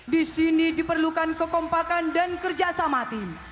di sini diperlukan kekompakan dan kerjasama tim